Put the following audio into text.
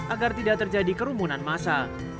agar tidak terjadi kerumunan masa